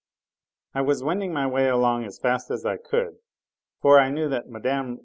I was wending my way along as fast as I could for I knew that Mme.